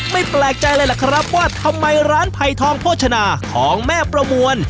ไม่แปลกใจอะไรแหละครับว่าทำไมร้านภัยทองโภชนาของแม่ประมวล